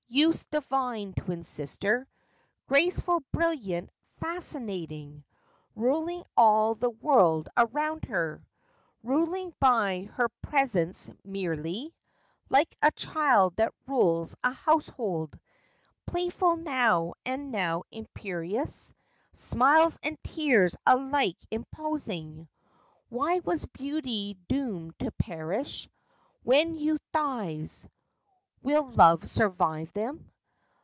Youth's divine twin sister, Graceful, brilliant, fascinating; Ruling all the world around her, Ruling by her presence merely, FACTS AND FANCIES. 37 Like a child that rules a household— Playful now and now imperious— Smiles and tears alike imposing. Why was beauty doomed to perish When youth dies ? Will love survive them